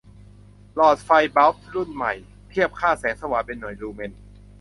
หลอดไฟล์บัลบ์รุ่นใหม่ เทียบค่าแสงสว่าง เป็นหน่วย ลูเมน